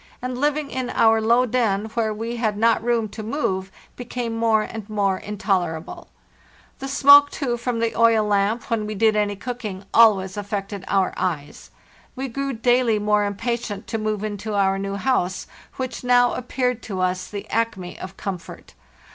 and living in our low den, where we had not room to move, became more and more in tolerable. Vhe smoke, too, from the oil lamp, when we did any cooking, always affected our eyes. We grew daily more impatient to move into our new house, which now appeared to us the acme of comfort.